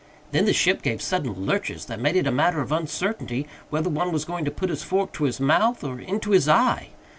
Then the ship gave sudden lurches that made it a matter of uncertainty whether one was going to put his fork to his mouth or into his eye.